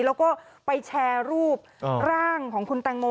แล้วก็ไปแชร์รูปร่างของคุณแตงโม